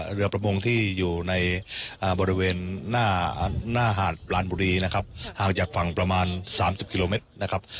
เรือประมงที่อยู่ในบริเวณหน้าหาดลานบุรีนะครับห่างจากฝั่งประมาณ๓๐กิโลเมตรนะครับ